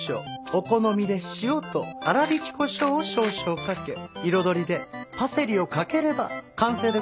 お好みで塩と粗びきコショウを少々かけ彩りでパセリをかければ完成でございます。